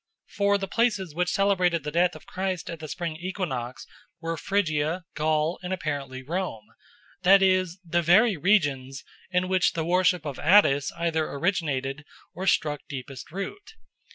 For the places which celebrated the death of Christ at the spring equinox were Phrygia, Gaul, and apparently Rome, that is, the very regions in which the worship of Attis either originated or struck deepest root.